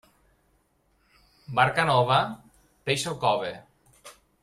Barca nova, peix al cove.